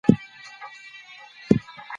هلمند د هرې کورنۍ لپاره د ارامۍ مينه ده.